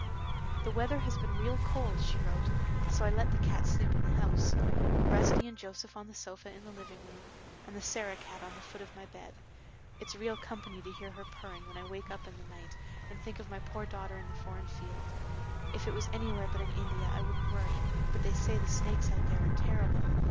"The weather has been real cold," she wrote, "so I let the cats sleep in the house—Rusty and Joseph on the sofa in the living room, and the Sarah cat on the foot of my bed. It's real company to hear her purring when I wake up in the night and think of my poor daughter in the foreign field. If it was anywhere but in India I wouldn't worry, but they say the snakes out there are terrible.